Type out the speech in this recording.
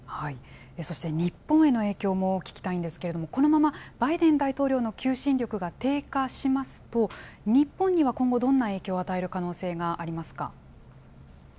そして日本への影響も聞きたいんですけれども、このままバイデン大統領の求心力が低下しますと、日本には今後、どんな影響を与える可能性がありますか。